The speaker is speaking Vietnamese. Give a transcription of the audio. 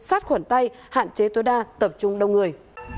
sát khuẩn tay hạn chế tối đa tập trung đông người